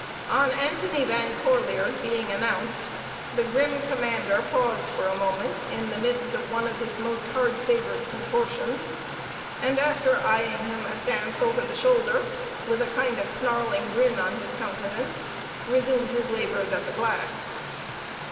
On Antony Van Corlear's being announced, the grim commander paused for a moment, in the midst of one of his most hard favored contortions, and after eyeing him askance over the shoulder, with a kind of snarling grin on his countenance, resumed his labors at the glass.